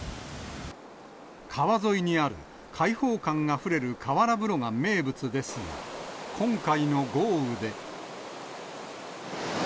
川沿いにある開放感あふれる河原風呂が名物ですが、今回の豪雨で。